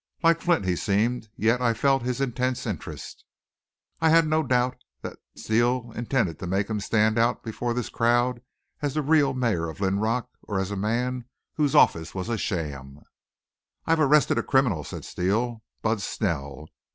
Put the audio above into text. Like flint he seemed, yet I felt his intense interest. I had no doubt then that Steele intended to make him stand out before this crowd as the real mayor of Linrock or as a man whose office was a sham. "I've arrested a criminal," said Steele. "Bud Snell.